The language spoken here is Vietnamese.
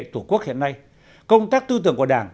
tổ quốc hiện nay công tác tư tưởng của đảng